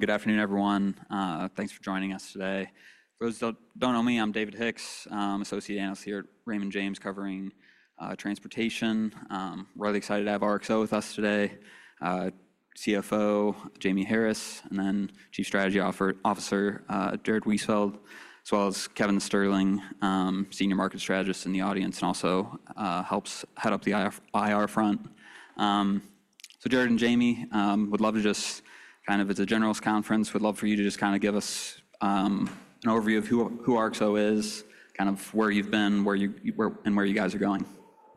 Good afternoon, everyone. Thanks for joining us today. For those who don't know me, I'm David Hicks. I'm Associate Analyst here at Raymond James, covering transportation. Really excited to have RXO with us today, CFO Jamie Harris, and then Chief Strategy Officer Jared Weisfeld, as well as Kevin Sterling, Senior Market Strategist in the audience, and also helps head up the IR front. So Jared and Jamie, we'd love to just kind of, it's a generalist conference, we'd love for you to just kind of give us an overview of who RXO is, kind of where you've been, and where you guys are going.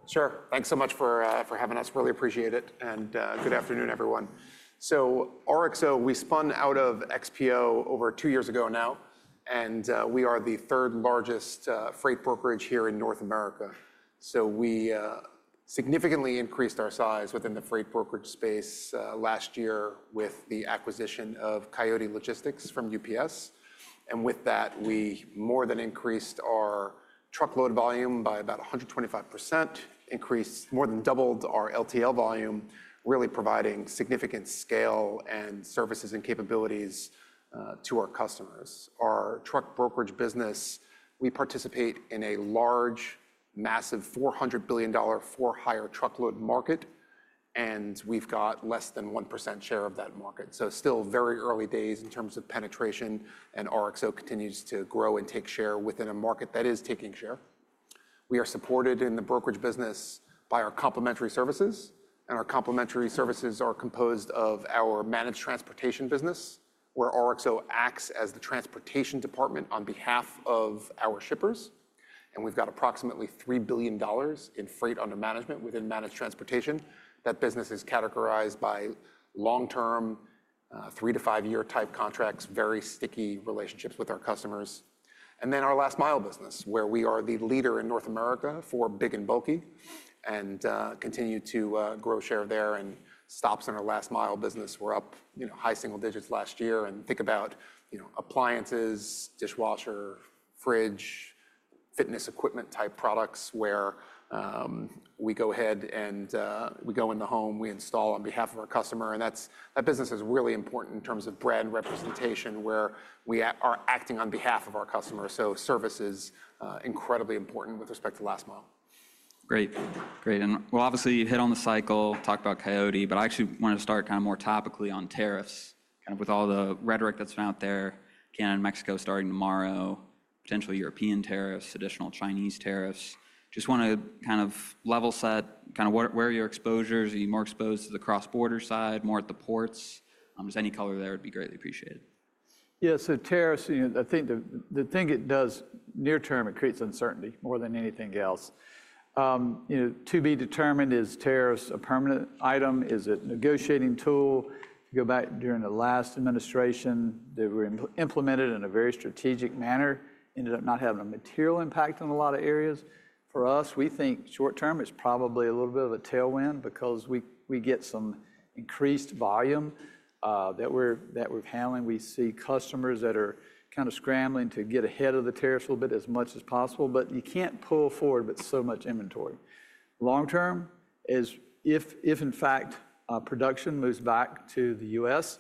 Sure. Thanks so much for having us. Really appreciate it. And good afternoon, everyone. So RXO, we spun out of XPO over two years ago now, and we are the third largest freight brokerage here in North America. So we significantly increased our size within the freight brokerage space last year with the acquisition of Coyote Logistics from UPS. And with that, we more than increased our truckload volume by about 125%, increased more than doubled our LTL volume, really providing significant scale and services and capabilities to our customers. Our truck brokerage business, we participate in a large, massive $400 billion for-hire truckload market, and we've got less than 1% share of that market. So still very early days in terms of penetration, and RXO continues to grow and take share within a market that is taking share. We are supported in the brokerage business by our complementary services, and our complementary services are composed of our managed transportation business, where RXO acts as the transportation department on behalf of our shippers, and we've got approximately $3 billion in freight under management within managed transportation. That business is categorized by long-term, three to five-year type contracts, very sticky relationships with our customers, and then our last mile business, where we are the leader in North America for big and bulky, and continue to grow share there, and stops in our last mile business, we're up high single digits last year, and think about appliances, dishwasher, fridge, fitness equipment type products, where we go ahead and we go in the home, we install on behalf of our customer, and that business is really important in terms of brand representation, where we are acting on behalf of our customers. Service is incredibly important with respect to last mile. Great. Great. And we'll obviously hit on the cycle, talk about Coyote, but I actually want to start kind of more topically on tariffs, kind of with all the rhetoric that's been out there, Canada and Mexico starting tomorrow, potential European tariffs, additional Chinese tariffs. Just want to kind of level set, kind of where are your exposures? Are you more exposed to the cross-border side, more at the ports? If there's any color there, it'd be greatly appreciated. Yeah, so tariffs, I think the thing it does near term, it creates uncertainty more than anything else. To be determined, is tariffs a permanent item? Is it a negotiating tool? If you go back during the last administration, they were implemented in a very strategic manner, ended up not having a material impact in a lot of areas. For us, we think short term is probably a little bit of a tailwind because we get some increased volume that we're handling. We see customers that are kind of scrambling to get ahead of the tariffs a little bit as much as possible, but you can't pull forward with so much inventory. Long term is if, in fact, production moves back to the U.S.,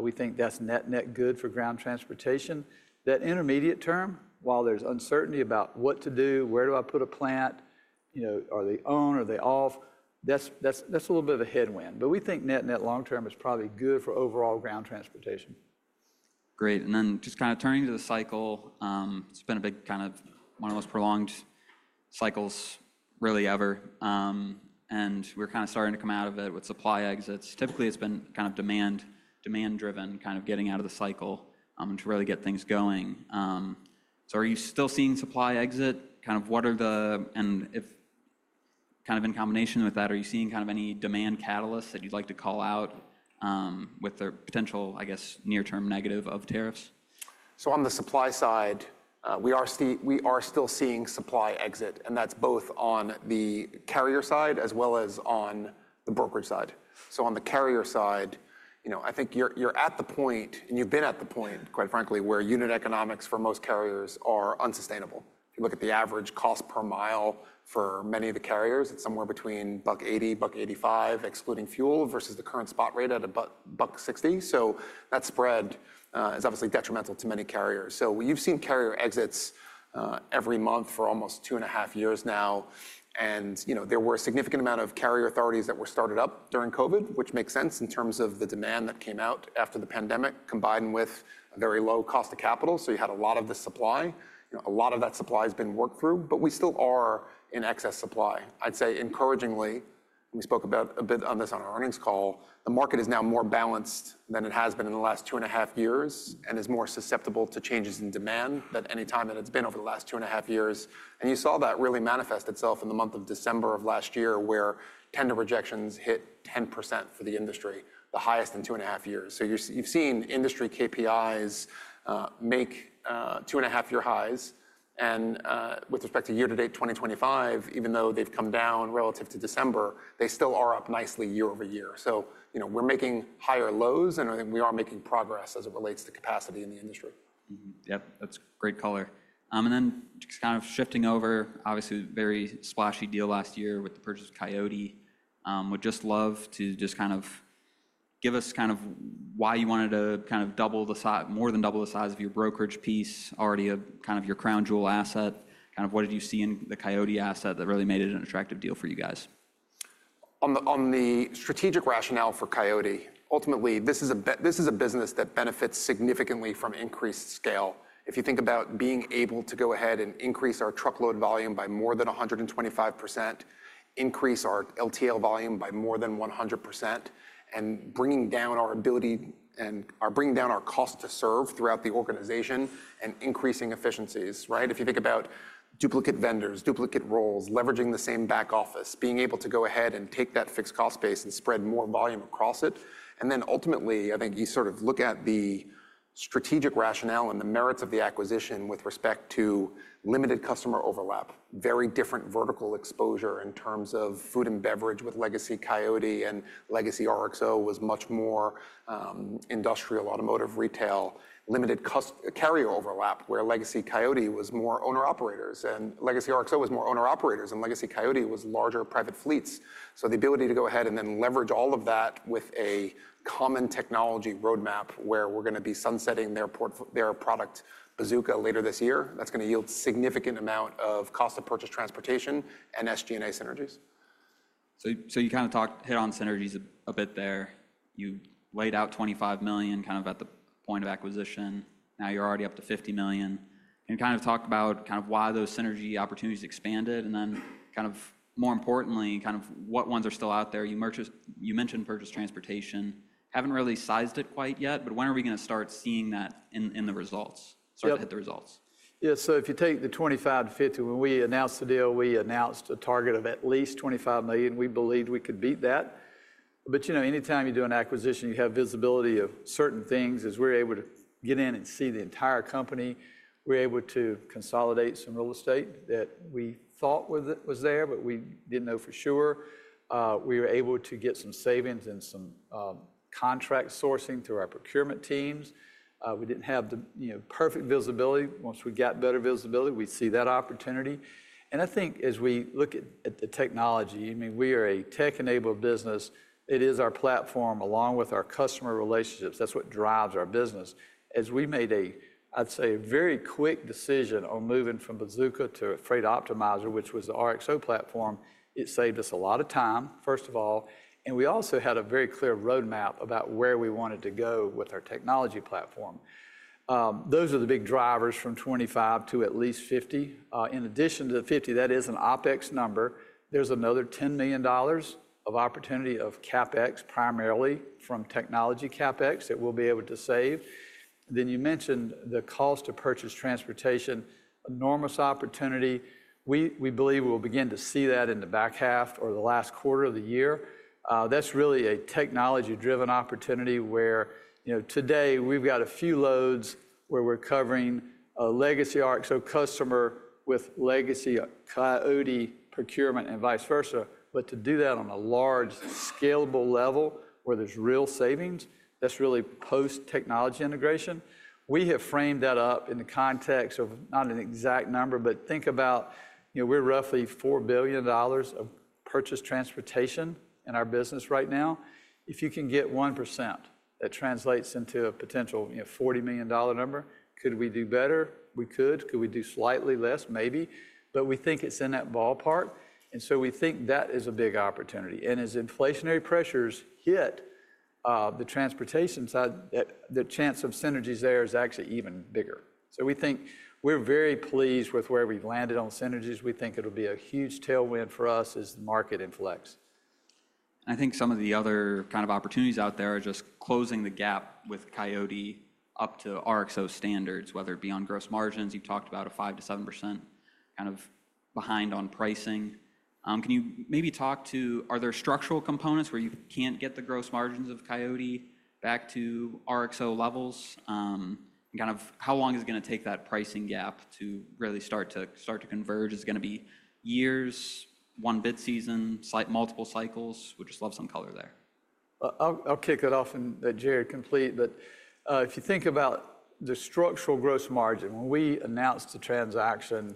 we think that's net-net good for ground transportation. That intermediate term, while there's uncertainty about what to do, where do I put a plant, are they on, are they off, that's a little bit of a headwind. But we think net-net long term is probably good for overall ground transportation. Great. And then just kind of turning to the cycle, it's been a big kind of one of the most prolonged cycles really ever. And we're kind of starting to come out of it with supply exits. Typically, it's been kind of demand-driven, kind of getting out of the cycle to really get things going. So are you still seeing supply exit? Kind of what are the, and if kind of in combination with that, are you seeing kind of any demand catalysts that you'd like to call out with the potential, I guess, near-term negative of tariffs? So on the supply side, we are still seeing supply exit, and that's both on the carrier side as well as on the brokerage side. So on the carrier side, I think you're at the point, and you've been at the point, quite frankly, where unit economics for most carriers are unsustainable. If you look at the average cost per mile for many of the carriers, it's somewhere between $1.80-$1.85, excluding fuel versus the current spot rate at about $1.60. So that spread is obviously detrimental to many carriers. So you've seen carrier exits every month for almost two and a half years now. And there were a significant amount of carrier authorities that were started up during COVID, which makes sense in terms of the demand that came out after the pandemic, combined with a very low cost of capital. You had a lot of the supply. A lot of that supply has been worked through, but we still are in excess supply. I'd say encouragingly, we spoke a bit on this on our earnings call. The market is now more balanced than it has been in the last two and a half years and is more susceptible to changes in demand than any time that it's been over the last two and a half years. You saw that really manifest itself in the month of December of last year, where tender rejections hit 10% for the industry, the highest in two and a half years. You've seen industry KPIs make two and a half year highs. With respect to year to date 2025, even though they've come down relative to December, they still are up nicely year over year. We're making higher lows, and I think we are making progress as it relates to capacity in the industry. Yep, that's great color. And then just kind of shifting over, obviously very splashy deal last year with the purchase of Coyote. Would just love to just kind of give us kind of why you wanted to kind of double the size, more than double the size of your brokerage piece, already kind of your crown jewel asset. Kind of what did you see in the Coyote asset that really made it an attractive deal for you guys? On the strategic rationale for Coyote, ultimately, this is a business that benefits significantly from increased scale. If you think about being able to go ahead and increase our truckload volume by more than 125%, increase our LTL volume by more than 100%, and bringing down our ability and bringing down our cost to serve throughout the organization and increasing efficiencies, right? If you think about duplicate vendors, duplicate roles, leveraging the same back office, being able to go ahead and take that fixed cost base and spread more volume across it. Ultimately, I think you sort of look at the strategic rationale and the merits of the acquisition with respect to limited customer overlap, very different vertical exposure in terms of food and beverage with legacy Coyote and legacy RXO was much more industrial, automotive, retail, limited carrier overlap, where legacy Coyote was more owner-operators and legacy RXO was more owner-operators and legacy Coyote was larger private fleets. The ability to go ahead and then leverage all of that with a common technology roadmap where we're going to be sunsetting their product, Bazooka, later this year, that's going to yield a significant amount of purchase transportation and sg&a synergies. So you kind of touched on synergies a bit there. You laid out $25 million kind of at the point of acquisition. Now you're already up to $50 million. And you kind of talked about kind of why those synergy opportunities expanded and then kind of more importantly, kind of what ones are still out there. purchase transportation. haven't really sized it quite yet, but when are we going to start seeing that in the results? Start to hit the results. Yeah, so if you take the $25 million-$50 million, when we announced the deal, we announced a target of at least $25 million. We believed we could beat that. But anytime you do an acquisition, you have visibility of certain things as we're able to get in and see the entire company. We're able to consolidate some real estate that we thought was there, but we didn't know for sure. We were able to get some savings and some contract sourcing to our procurement teams. We didn't have the perfect visibility. Once we got better visibility, we see that opportunity. And I think as we look at the technology, I mean, we are a tech-enabled business. It is our platform along with our customer relationships. That's what drives our business. As we made a, I'd say, a very quick decision on moving from Bazooka to Freight Optimizer, which was the RXO platform, it saved us a lot of time, first of all, and we also had a very clear roadmap about where we wanted to go with our technology platform. Those are the big drivers from 25 to at least 50. In addition to the 50, that is an OpEx number. There's another $10 million of opportunity of CapEx primarily from technology CapEx that we'll be able to save. Then you mentioned the purchase transportation, enormous opportunity. We believe we'll begin to see that in the back half or the last quarter of the year. That's really a technology-driven opportunity where today we've got a few loads where we're covering a legacy RXO customer with legacy Coyote procurement and vice versa. But to do that on a large scalable level where there's real savings, that's really post-technology integration. We have framed that up in the context of not an exact number, but think about we're roughly $4 purchase transportation in our business right now. If you can get 1%, that translates into a potential $40 million number. Could we do better? We could. Could we do slightly less? Maybe. But we think it's in that ballpark. And so we think that is a big opportunity. And as inflationary pressures hit the transportation side, the chance of synergies there is actually even bigger. So we think we're very pleased with where we've landed on synergies. We think it'll be a huge tailwind for us as the market inflects. I think some of the other kind of opportunities out there are just closing the gap with Coyote up to RXO standards, whether it be on gross margins. You've talked about a 5%-7% kind of behind on pricing. Can you maybe talk to, are there structural components where you can't get the gross margins of Coyote back to RXO levels? And kind of how long is it going to take that pricing gap to really start to converge? Is it going to be years, one bid season, multiple cycles? Would just love some color there? I'll kick it off and let Jared complete, but if you think about the structural gross margin, when we announced the transaction,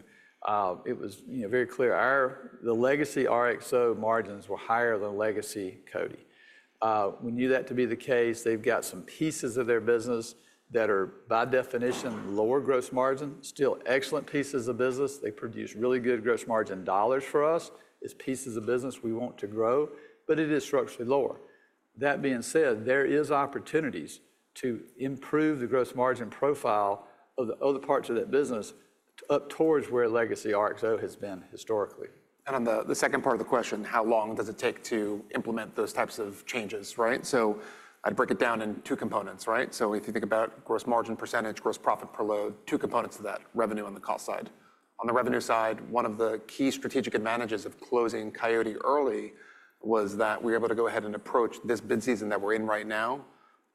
it was very clear the legacy RXO margins were higher than legacy Coyote. We knew that to be the case. They've got some pieces of their business that are by definition lower gross margin, still excellent pieces of business. They produce really good gross margin dollars for us. It's pieces of business we want to grow, but it is structurally lower. That being said, there are opportunities to improve the gross margin profile of the other parts of that business up towards where legacy RXO has been historically. On the second part of the question, how long does it take to implement those types of changes, right? I'd break it down in two components, right? If you think about gross margin percentage, gross profit per load, two components of that revenue on the cost side. On the revenue side, one of the key strategic advantages of closing Coyote early was that we were able to go ahead and approach this bid season that we're in right now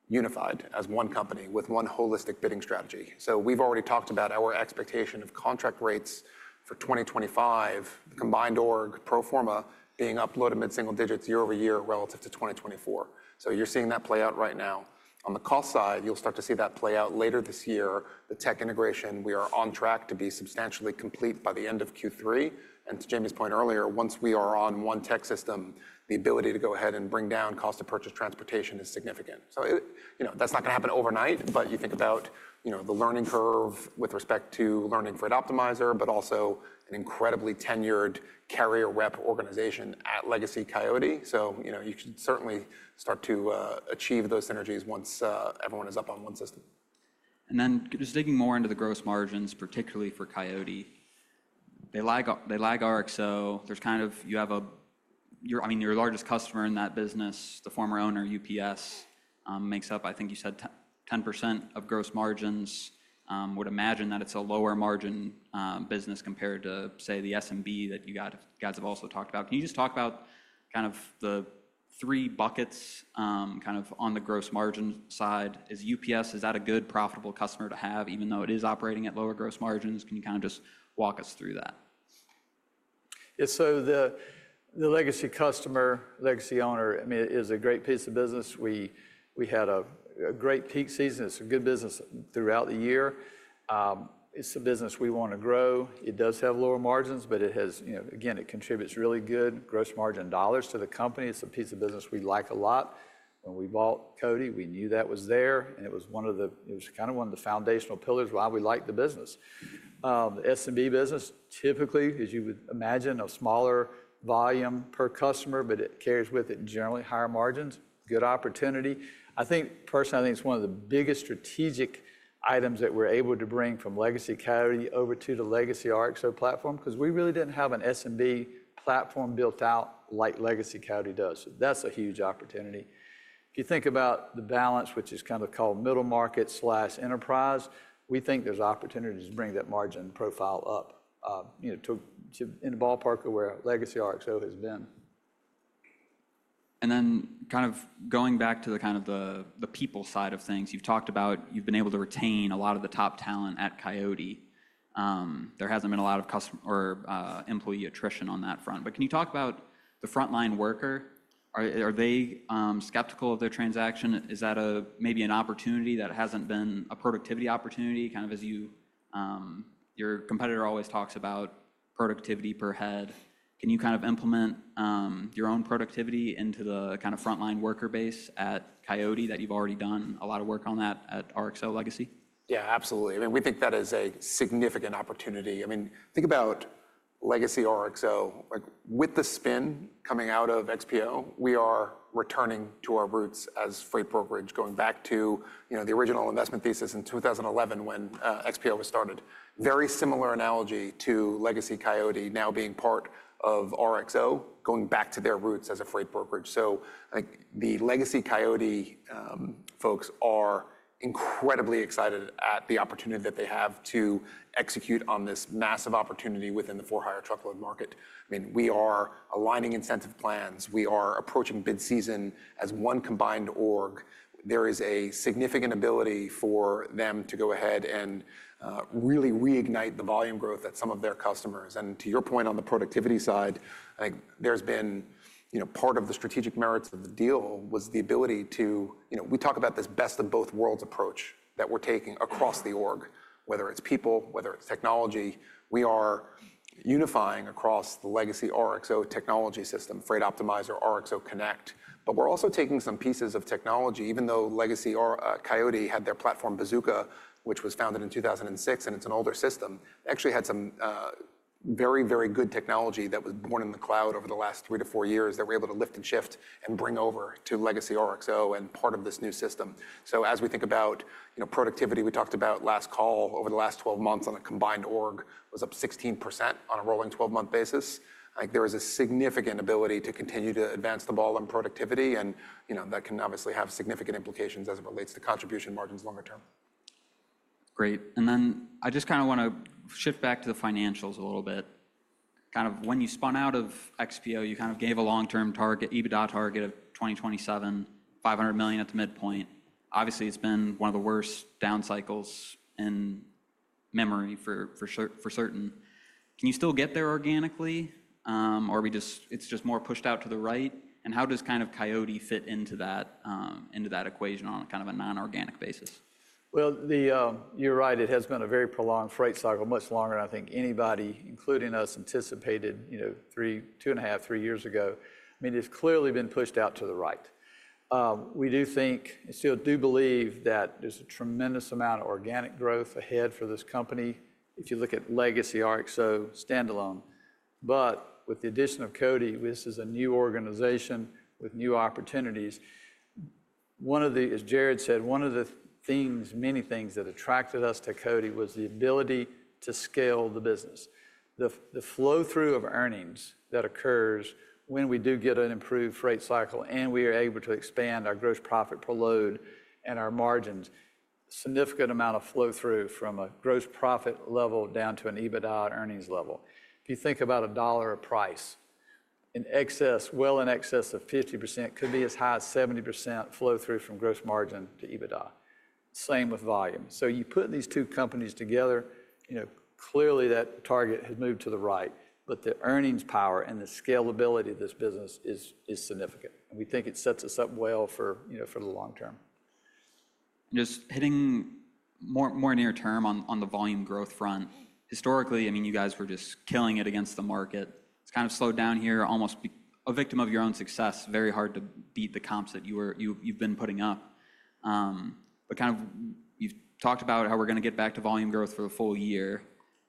unified as one company with one holistic bidding strategy. We've already talked about our expectation of contract rates for 2025, combined org pro forma being up mid-single digits year over year relative to 2024. You're seeing that play out right now. On the cost side, you'll start to see that play out later this year. The tech integration we are on track to be substantially complete by the end of Q3, and to Jamie's point earlier, once we are on one tech system, the ability to go ahead and bring down purchase transportation is significant, so that's not going to happen overnight, but you think about the learning curve with respect to learning Freight Optimizer, but also an incredibly tenured carrier rep organization at legacy Coyote, so you can certainly start to achieve those synergies once everyone is up on one system. And then just digging more into the gross margins, particularly for Coyote, they lag RXO. There's kind of, you have a, I mean, your largest customer in that business, the former owner, UPS, makes up, I think you said 10% of gross margins. Would imagine that it's a lower margin business compared to, say, the SMB that you guys have also talked about. Can you just talk about kind of the three buckets kind of on the gross margin side? Is UPS, is that a good profitable customer to have even though it is operating at lower gross margins? Can you kind of just walk us through that? Yeah, so the legacy customer, legacy owner, I mean, is a great piece of business. We had a great peak season. It's a good business throughout the year. It's a business we want to grow. It does have lower margins, but it has, again, it contributes really good gross margin dollars to the company. It's a piece of business we like a lot. When we bought Coyote, we knew that was there. And it was kind of one of the foundational pillars why we liked the business. The SMB business, typically, as you would imagine, a smaller volume per customer, but it carries with it generally higher margins, good opportunity. I think personally, I think it's one of the biggest strategic items that we're able to bring from legacy Coyote over to the legacy RXO platform because we really didn't have an SMB platform built out like legacy Coyote does. So that's a huge opportunity. If you think about the balance, which is kind of called middle market slash enterprise, we think there's opportunities to bring that margin profile up in the ballpark of where legacy RXO has been. And then kind of going back to the kind of people side of things, you've talked about, you've been able to retain a lot of the top talent at Coyote. There hasn't been a lot of customer or employee attrition on that front. But can you talk about the frontline worker? Are they skeptical of their transaction? Is that maybe an opportunity that hasn't been a productivity opportunity? Kind of as your competitor always talks about productivity per head. Can you kind of implement your own productivity into the kind of frontline worker base at Coyote that you've already done a lot of work on at RXO Legacy? Yeah, absolutely. I mean, we think that is a significant opportunity. I mean, think about legacy RXO. With the spin coming out of XPO, we are returning to our roots as freight brokerage, going back to the original investment thesis in 2011 when XPO was started. Very similar analogy to legacy Coyote now being part of RXO, going back to their roots as a freight brokerage. So I think the legacy Coyote folks are incredibly excited at the opportunity that they have to execute on this massive opportunity within the for-hire truckload market. I mean, we are aligning incentive plans. We are approaching bid season as one combined org. There is a significant ability for them to go ahead and really reignite the volume growth at some of their customers. And to your point on the productivity side, I think there's been part of the strategic merits of the deal was the ability to, we talk about this best of both worlds approach that we're taking across the org, whether it's people, whether it's technology. We are unifying across the legacy RXO technology system, Freight Optimizer, RXO Connect. But we're also taking some pieces of technology, even though legacy Coyote had their platform, Bazooka, which was founded in 2006 and it's an older system, actually had some very, very good technology that was born in the cloud over the last three to four years that we're able to lift and shift and bring over to legacy RXO and part of this new system. So, as we think about productivity, we talked about last call over the last 12 months on a combined org was up 16% on a rolling 12-month basis. I think there is a significant ability to continue to advance the ball on productivity. And that can obviously have significant implications as it relates to contribution margins longer term. Great. And then I just kind of want to shift back to the financials a little bit. Kind of when you spun out of XPO, you kind of gave a long-term target, EBITDA target of 2027, $500 million at the midpoint. Obviously, it's been one of the worst down cycles in memory for certain. Can you still get there organically or it's just more pushed out to the right? And how does kind of Coyote fit into that equation on kind of a non-organic basis? Well, you're right. It has been a very prolonged freight cycle, much longer than I think anybody, including us, anticipated two and a half, three years ago. I mean, it's clearly been pushed out to the right. We do think, still do believe that there's a tremendous amount of organic growth ahead for this company if you look at legacy RXO standalone. But with the addition of Coyote, this is a new organization with new opportunities. As Jared said, one of the things, many things that attracted us to Coyote was the ability to scale the business. The flow-through of earnings that occurs when we do get an improved freight cycle and we are able to expand our gross profit per load and our margins. Significant amount of flow-through from a gross profit level down to an EBITDA earnings level. If you think about a dollar of price, well in excess of 50%, could be as high as 70% flow-through from gross margin to EBITDA. Same with volume, so you put these two companies together, clearly that target has moved to the right, but the earnings power and the scalability of this business is significant, and we think it sets us up well for the long term. Just hitting more near term on the volume growth front. Historically, I mean, you guys were just killing it against the market. It's kind of slowed down here, almost a victim of your own success, very hard to beat the comps that you've been putting up. But kind of you've talked about how we're going to get back to volume growth for the full year.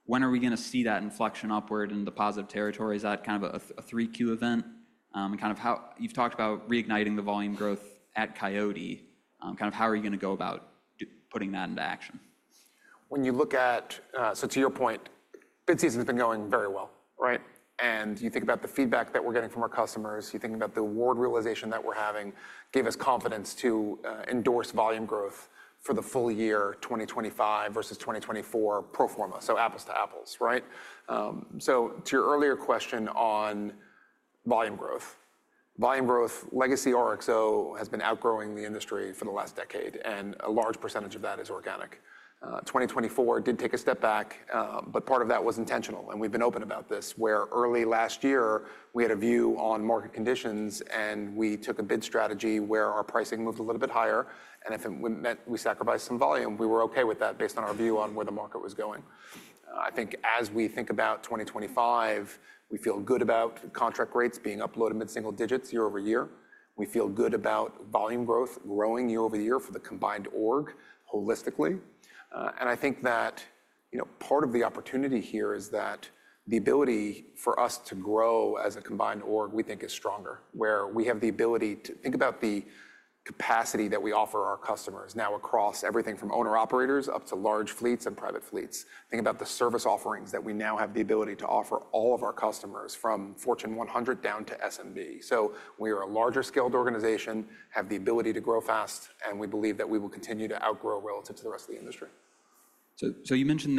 When are we going to see that inflection upward in the positive territory? Is that kind of a 3Q event? And kind of how you've talked about reigniting the volume growth at Coyote, kind of how are you going to go about putting that into action? When you look at, so to your point, bid season has been going very well, right? And you think about the feedback that we're getting from our customers, you think about the award realization that we're having gave us confidence to endorse volume growth for the full year, 2025 versus 2024 pro forma, so apples to apples, right? So to your earlier question on volume growth, volume growth, legacy RXO has been outgrowing the industry for the last decade, and a large percentage of that is organic. 2024 did take a step back, but part of that was intentional. And we've been open about this where early last year we had a view on market conditions and we took a bid strategy where our pricing moved a little bit higher. If we sacrificed some volume, we were okay with that based on our view on where the market was going. I think as we think about 2025, we feel good about contract rates being up in mid-single digits year over year. We feel good about volume growth growing year over year for the combined org holistically. And I think that part of the opportunity here is that the ability for us to grow as a combined org we think is stronger where we have the ability to think about the capacity that we offer our customers now across everything from owner-operators up to large fleets and private fleets. Think about the service offerings that we now have the ability to offer all of our customers from Fortune 100 down to SMB. We are a larger scaled organization, have the ability to grow fast, and we believe that we will continue to outgrow relative to the rest of the industry. So you mentioned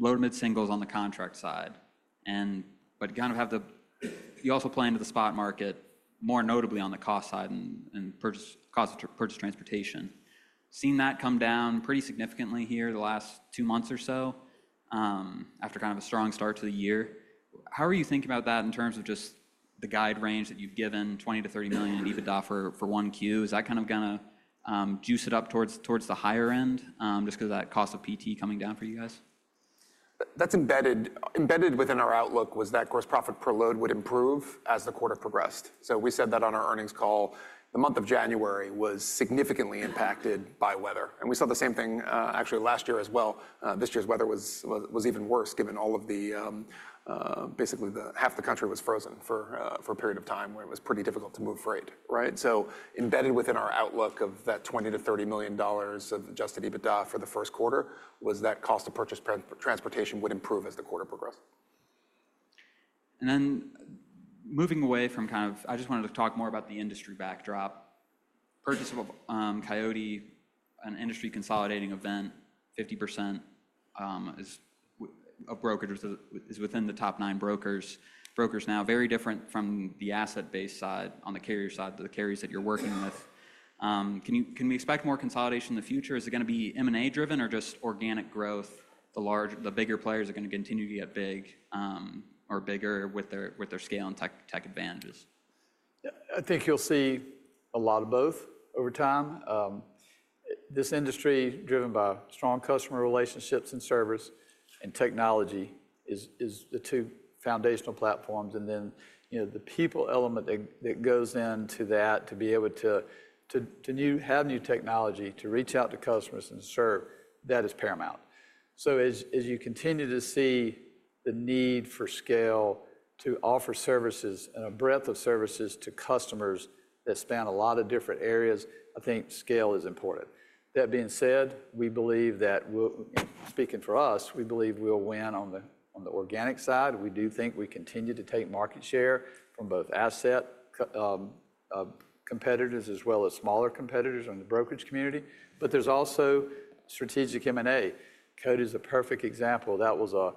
lower mid-singles on the contract side, but you also play into the spot market more notably on the cost purchase transportation. seen that come down pretty significantly over the last two months or so after kind of a strong start to the year. How are you thinking about that in terms of just the guide range that you've given $20 million-$30 million in EBITDA for Q1? Is that kind of going to juice it up towards the higher end just because of that cost of PT coming down for you guys? is embedded within our outlook was that gross profit per load would improve as the quarter progressed. So we said that on our earnings call, the month of January was significantly impacted by weather. And we saw the same thing actually last year as well. This year's weather was even worse given all of the, basically half the country was frozen for a period of time where it was pretty difficult to move freight, right? So embedded within our outlook of that $20 million-$30 million of adjusted EBITDA for the first quarter was that purchase transportation would improve as the quarter progressed. And then, moving away from kind of, I just wanted to talk more about the industry backdrop. Purchase of Coyote, an industry consolidating event. 50% of brokers is within the top nine brokers now, very different from the asset-based side on the carrier side, the carriers that you're working with. Can we expect more consolidation in the future? Is it going to be M&A driven or just organic growth? The bigger players are going to continue to get big or bigger with their scale and tech advantages. I think you'll see a lot of both over time. This industry driven by strong customer relationships and service and technology is the two foundational platforms, and then the people element that goes into that to be able to have new technology to reach out to customers and serve, that is paramount, so as you continue to see the need for scale to offer services and a breadth of services to customers that span a lot of different areas, I think scale is important. That being said, we believe that, speaking for us, we believe we'll win on the organic side. We do think we continue to take market share from both asset competitors as well as smaller competitors in the brokerage community, but there's also strategic M&A. Coyote is a perfect example. That was a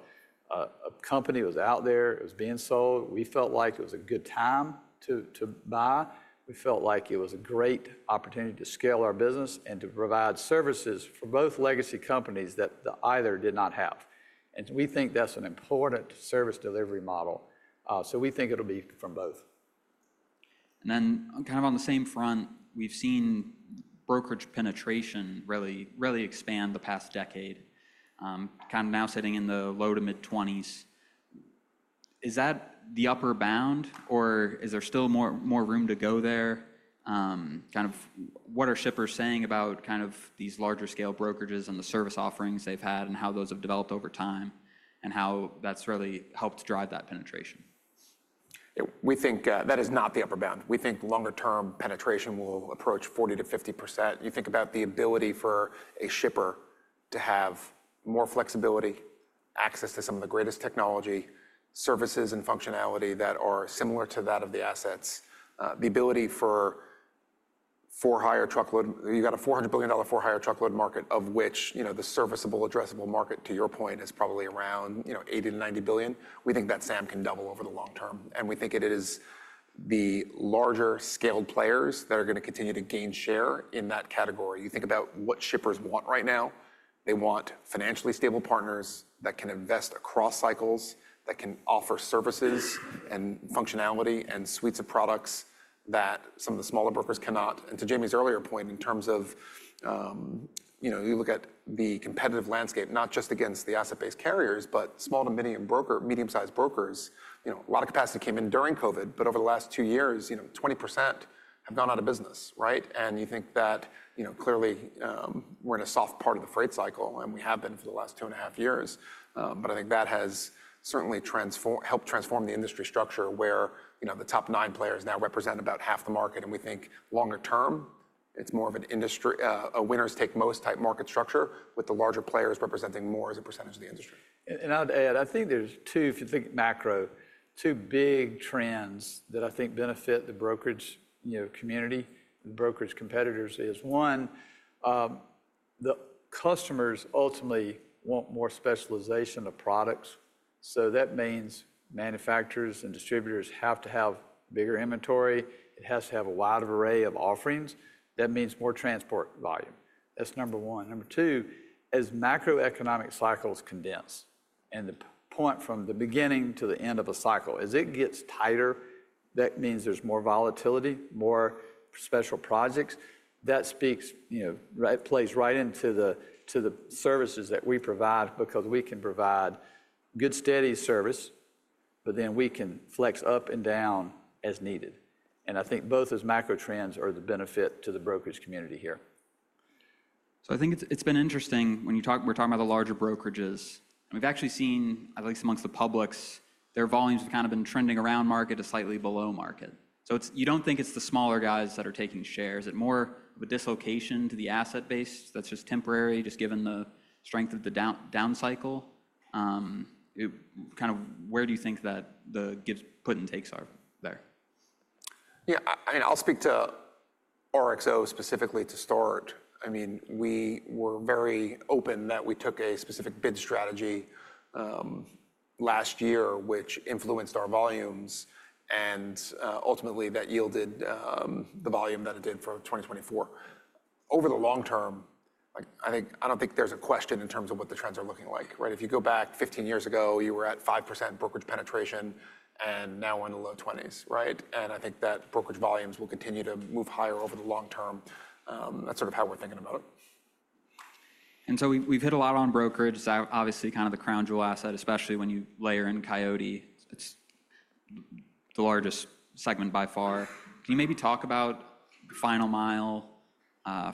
company that was out there. It was being sold. We felt like it was a good time to buy. We felt like it was a great opportunity to scale our business and to provide services for both legacy companies that either did not have, and we think that's an important service delivery model, so we think it'll be from both. And then kind of on the same front, we've seen brokerage penetration really expand the past decade, kind of now sitting in the low-to-mid-20s. Is that the upper bound or is there still more room to go there? Kind of what are shippers saying about kind of these larger scale brokerages and the service offerings they've had and how those have developed over time and how that's really helped drive that penetration? We think that is not the upper bound. We think longer term penetration will approach 40%-50%. You think about the ability for a shipper to have more flexibility, access to some of the greatest technology services and functionality that are similar to that of the assets. The ability for for-hire truckload, you've got a $400 billion for-hire truckload market of which the serviceable addressable market to your point is probably around $80 billion-$90 billion. We think that SAM can double over the long term. And we think it is the larger scaled players that are going to continue to gain share in that category. You think about what shippers want right now. They want financially stable partners that can invest across cycles, that can offer services and functionality and suites of products that some of the smaller brokers cannot. And to Jamie's earlier point, in terms of you look at the competitive landscape, not just against the asset-based carriers, but small to medium-sized brokers, a lot of capacity came in during COVID, but over the last two years, 20% have gone out of business, right? And you think that clearly we're in a soft part of the freight cycle and we have been for the last two and a half years. But I think that has certainly helped transform the industry structure where the top nine players now represent about half the market. And we think longer term, it's more of an industry, a winners take most type market structure with the larger players representing more as a percentage of the industry. And I'll add, I think there's two, if you think macro, two big trends that I think benefit the brokerage community and brokerage competitors is one, the customers ultimately want more specialization of products. So that means manufacturers and distributors have to have bigger inventory. It has to have a wider array of offerings. That means more transport volume. That's number one. Number two, as macroeconomic cycles condense and the point from the beginning to the end of a cycle, as it gets tighter, that means there's more volatility, more special projects. That plays right into the services that we provide because we can provide good, steady service, but then we can flex up and down as needed. And I think both as macro trends are the benefit to the brokerage community here. So I think it's been interesting when we're talking about the larger brokerages. We've actually seen, at least among the publics, their volumes have kind of been trending around market to slightly below market. So you don't think it's the smaller guys that are taking shares. It's more of a dislocation to the asset base that's just temporary, just given the strength of the down cycle. Kind of, where do you think that the puts and takes are there? Yeah, I mean, I'll speak to RXO specifically to start. I mean, we were very open that we took a specific bid strategy last year, which influenced our volumes and ultimately that yielded the volume that it did for 2024. Over the long term, I don't think there's a question in terms of what the trends are looking like, right? If you go back 15 years ago, you were at 5% brokerage penetration and now we're in the low 20s, right? And I think that brokerage volumes will continue to move higher over the long term. That's sort of how we're thinking about it. So we've hit a lot on brokerage, obviously kind of the crown jewel asset, especially when you layer in Coyote, it's the largest segment by far. Can you maybe talk about last mile,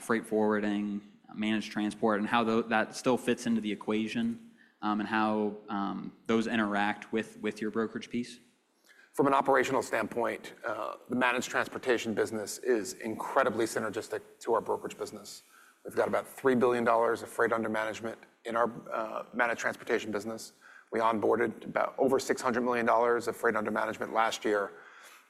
freight forwarding, managed transportation, and how that still fits into the equation and how those interact with your brokerage piece? From an operational standpoint, the managed transportation business is incredibly synergistic to our brokerage business. We've got about $3 billion of freight under management in our managed transportation business. We onboarded about over $600 million of freight under management last year.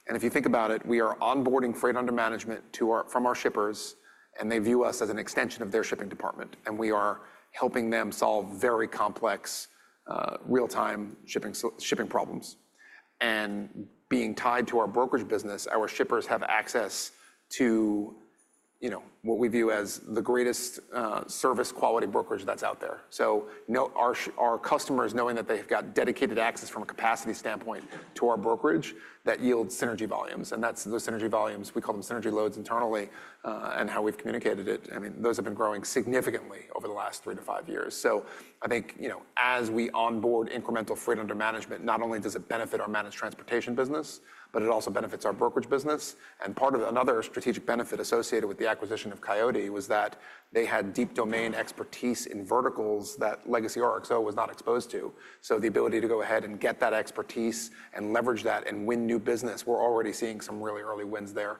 And if you think about it, we are onboarding freight under management from our shippers and they view us as an extension of their shipping department. And we are helping them solve very complex real-time shipping problems. And being tied to our brokerage business, our shippers have access to what we view as the greatest service quality brokerage that's out there. So our customers, knowing that they've got dedicated access from a capacity standpoint to our brokerage, that yields synergy volumes. And that's the synergy volumes. We call them synergy loads internally and how we've communicated it. I mean, those have been growing significantly over the last three to five years. So I think as we onboard incremental freight under management, not only does it benefit our managed transportation business, but it also benefits our brokerage business. And part of another strategic benefit associated with the acquisition of Coyote was that they had deep domain expertise in verticals that legacy RXO was not exposed to. So the ability to go ahead and get that expertise and leverage that and win new business, we're already seeing some really early wins there.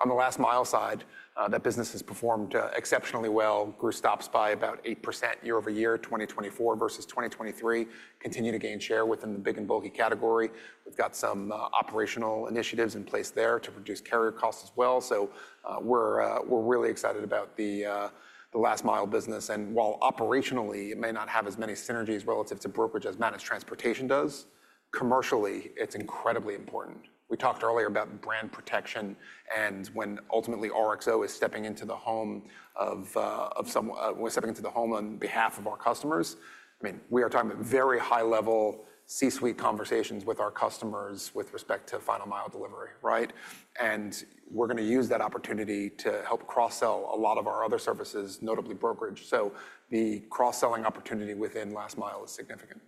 On the last mile side, that business has performed exceptionally well, grew stops by about 8% year over year, 2024 versus 2023. Continue to gain share within the big and bulky category. We've got some operational initiatives in place there to reduce carrier costs as well. So we're really excited about the last mile business. While operationally, it may not have as many synergies relative to brokerage as managed transportation does, commercially, it's incredibly important. We talked earlier about brand protection and when ultimately RXO is stepping into the home of, when we're stepping into the home on behalf of our customers, I mean, we are talking about very high-level C-suite conversations with our customers with respect to last mile delivery, right? We're going to use that opportunity to help cross-sell a lot of our other services, notably brokerage. The cross-selling opportunity within last mile is significant.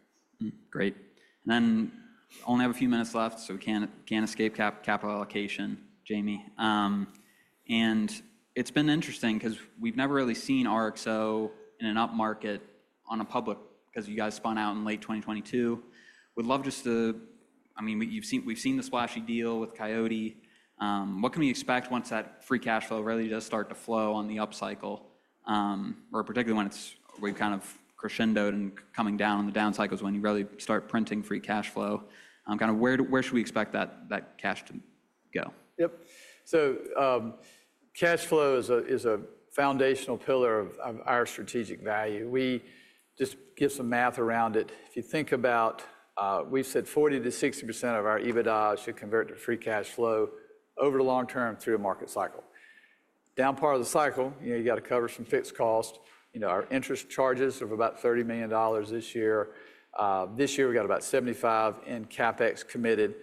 Great, and then we only have a few minutes left, so we can't escape capital allocation, Jamie. It's been interesting because we've never really seen RXO in an up market on a public because you guys spun out in late 2022. We'd love just to, I mean, we've seen the splashy deal with Coyote. What can we expect once that free cash flow really does start to flow on the up cycle, or particularly when it's kind of crescendoed and coming down on the down cycles when you really start printing free cash flow? Kind of, where should we expect that cash to go? Yep, so cash flow is a foundational pillar of our strategic value. We just give some math around it. If you think about, we've said 40%-60% of our EBITDA should convert to free cash flow over the long term through a market cycle. Down part of the cycle, you got to cover some fixed costs. Our interest charges are about $30 million this year. This year we got about $75 million in CapEx committed.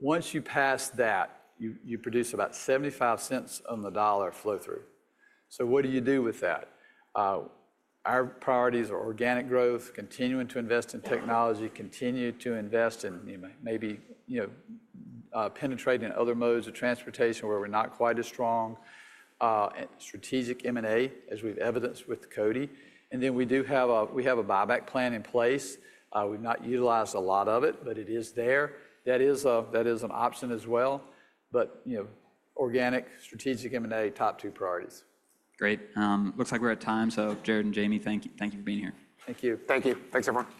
Once you pass that, you produce about 75 cents on the dollar flow through. So what do you do with that? Our priorities are organic growth, continuing to invest in technology, continue to invest in maybe penetrating other modes of transportation where we're not quite as strong, strategic M&A as we've evidenced with Coyote. And then we do have a buyback plan in place. We've not utilized a lot of it, but it is there. That is an option as well. But organic, strategic M&A, top two priorities. Great. Looks like we're at time. So Jared and Jamie, thank you for being here. Thank you. Thank you. Thanks everyone.